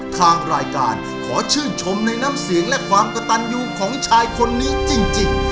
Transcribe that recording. ทางรายการขอชื่นชมในน้ำเสียงและความกระตันยูของชายคนนี้จริง